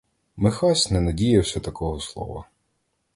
Михась не надіявся такого слова.